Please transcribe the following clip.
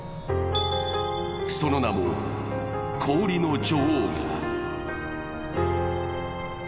その名も氷の女王が。